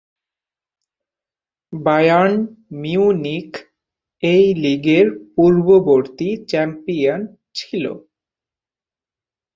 Bayern Munich এই লীগের পূর্ববর্তী চ্যাম্পিয়ন ছিল।